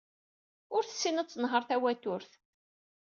Ur tessin ad tenher tawaturt.